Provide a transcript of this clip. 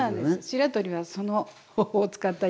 白鳥はその方法を使ったようです。